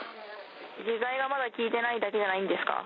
下剤がまだ効いてないだけじゃないんですか。